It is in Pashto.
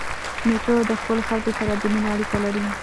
نیکه د خپلو خلکو سره د مینې اړیکه لري.